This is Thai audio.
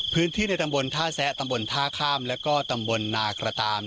ในตำบลท่าแซะตำบลท่าข้ามและก็ตำบลนากระตาม